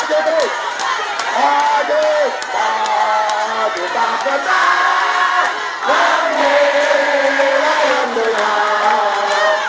tak lupa kota nanggir layan benar